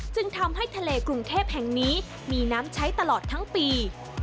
จึงทำให้ทะเลกรุงเทพแห่งนี้มีน้ำใช้ตลอดทั้งปี